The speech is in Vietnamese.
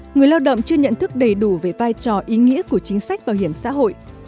người lao động chưa nhận thức đầy đủ về vai trò ý nghĩa của chính sách bảo hiểm xã hội